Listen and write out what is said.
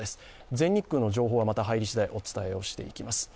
全日空の情報はまた入りしだいまたお伝えします。